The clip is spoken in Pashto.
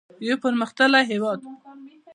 یو پرمختللی هیواد.